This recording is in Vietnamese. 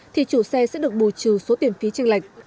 thì chủ xe sẽ được bù trừ số tiền phí tranh lệch